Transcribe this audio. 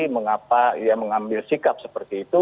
mengapa ia mengambil sikap seperti itu